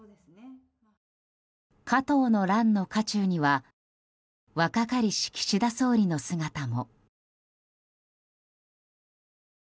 加藤の乱の渦中には若かりし岸田総理の姿も。